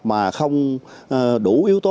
mà không đủ yếu tố